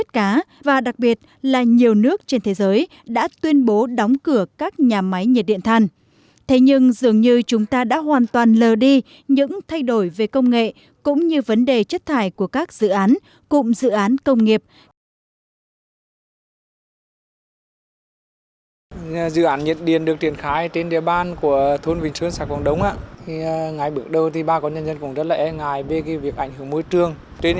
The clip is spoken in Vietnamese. thế nhưng dường như chúng ta đã hoàn toàn lờ đi những thay đổi về công nghệ cũng như vấn đề chất thải của các dự án cụm dự án công nghiệp